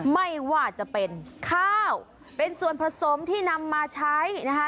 ไม่ว่าจะเป็นข้าวเป็นส่วนผสมที่นำมาใช้นะคะ